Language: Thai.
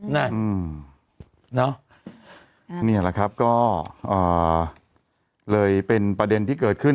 นี่แหละครับก็เลยเป็นประเด็นที่เกิดขึ้น